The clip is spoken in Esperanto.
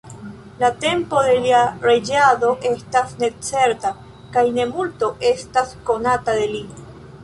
La tempo de lia reĝado estas necerta kaj ne multo estas konata de li.